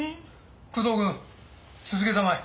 工藤くん続けたまえ。